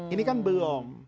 ini kan belum